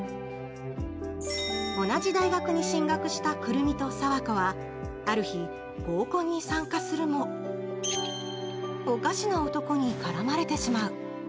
同じ大学に進学したくるみと爽子は、ある日、合コンに参加するも、おかしな男に絡まれてしまう。